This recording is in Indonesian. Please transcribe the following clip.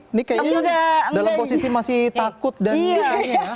ini kayaknya dalam posisi masih takut dan gini gini ya